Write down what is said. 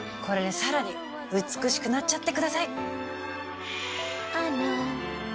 これでさらに美しくなっちゃってください。